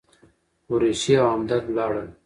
قریشي او همدرد ولاړل.